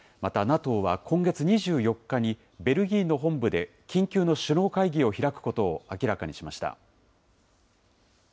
また、ＮＡＴＯは今月２４日にベルギーの本部で緊急の首脳会議を開くことを明らかにしました。